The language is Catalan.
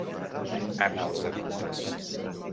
En els edictes.